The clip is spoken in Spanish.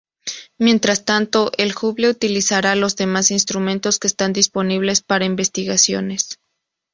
Mientras tanto, el Hubble utilizará los demás instrumentos que están disponibles para investigaciones.